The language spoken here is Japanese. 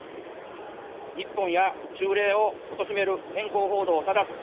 日本や忠霊をおとしめる偏向報道をただす。